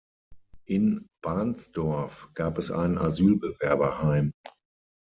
In Bahnsdorf gab es ein Asylbewerberheim.